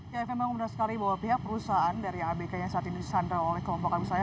ya memang benar sekali bahwa pihak perusahaan dari abk yang saat ini disandra oleh kelompok abu sayya